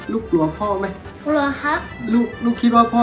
ลูกหลัวพ่อไหมหลัวครับ